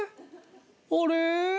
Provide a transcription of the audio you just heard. あれ？